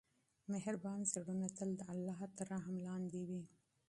مهربان زړونه تل د الله تر رحم لاندې وي.